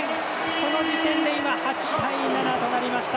この時点で８対７となりました。